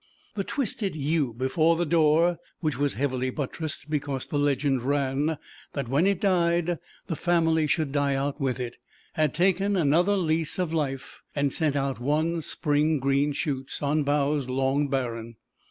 The twisted yew before the door, which was heavily buttressed because the legend ran that when it died the family should die out with it, had taken another lease of life, and sent out one spring green shoots on boughs long barren.